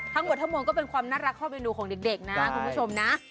ทั้งกว่าทั้งมนต์ก็เป็นความน่ารักครอบเย็นดูของเด็กนะคุณผู้ชมนะ